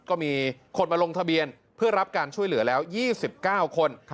ก็มีคนมาลงทะเบียนเพื่อรับการช่วยเหลือแล้ว๒๙คน